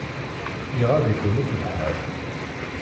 Iɣaḍ-ikun akk lḥal.